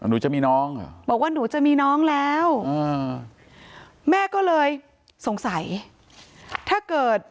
ก็อยู่ทำงานอยู่ในร้านตากมันตรงเนี่ย